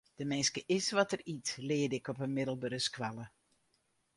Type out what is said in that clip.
De minske is wat er yt, learde ik op 'e middelbere skoalle.